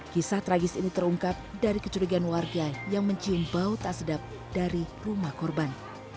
kisah tragis ini terungkap dari kecurigaan warga yang mencium bau tak sedap dari rumah korban